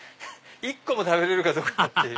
１個も食べれるかどうかっていう。